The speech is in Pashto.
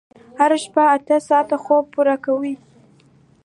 هره شپه اته ساعته خوب پوره کوئ.